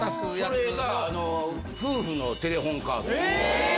それが夫婦のテレホンカード。